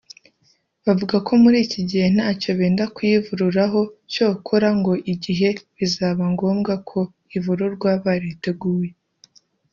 Bavuga ko muri iki gihe ntacyo benda kuyivururaho cyokora ngo igihe bizaba ngombwa ko ivururwa bariteguye